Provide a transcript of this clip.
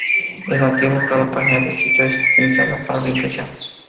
En nativo, cada página del sitio es optimizada para la impresión.